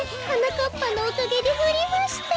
かっぱのおかげでふりました！